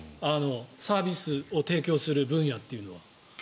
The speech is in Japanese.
サービスを提供する分野というのは。